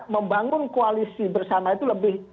membangun koalisi bersama itu lebih